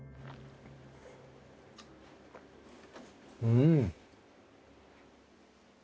うん。